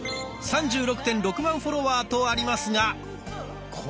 ３６．６万フォロワーとありますがこれは？